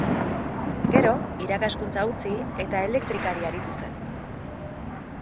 Gero, irakaskuntza utzi eta elektrikari aritu zen.